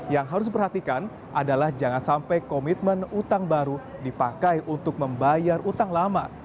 yang harus diperhatikan adalah jangan sampai komitmen utang baru dipakai untuk membayar utang lama